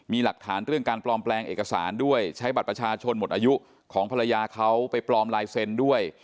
มีหลักฐานเรื่องการปลอมแปลงเอกสารด้วยใช้บัตรประชาชนหมดอายุของภรรยาเขาไปปลอมลายเซ็นต์ด้วย